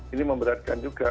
ini memberatkan juga